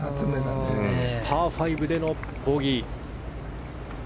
パー５でのボギー。